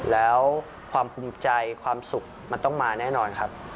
แล้วความภูมิใจความสุขมันต้องมาแน่นอนครับ